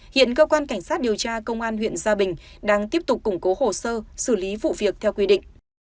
hiện cơ quan cảnh sát điều tra công an huyện gia bình đang tiếp tục củng cố hồ sơ xử lý vụ việc theo quy định